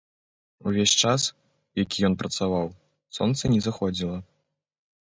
Увесь час, які ён працаваў, сонца не заходзіла.